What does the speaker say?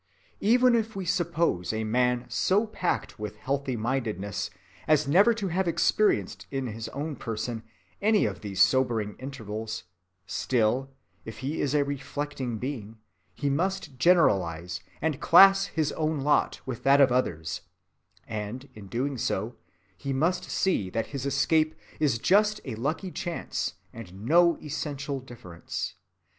Even if we suppose a man so packed with healthy‐mindedness as never to have experienced in his own person any of these sobering intervals, still, if he is a reflecting being, he must generalize and class his own lot with that of others; and, doing so, he must see that his escape is just a lucky chance and no essential difference.